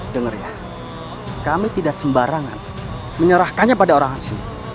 dengar ya kami tidak sembarangan menyerahkannya pada orang asing